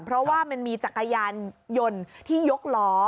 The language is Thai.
เพราะว่ามันมีจักรยานยนต์ที่ยกล้อ